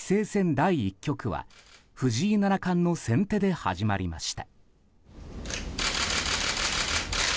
第１局は藤井七冠の先手で始まりました。